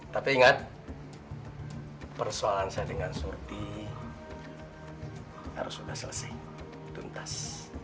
tapi ingat persoalan saya dengan surti harus sudah selesai tuntas